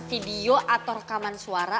video atau rekaman suara